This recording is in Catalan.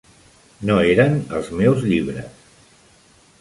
No eren els meus llibres.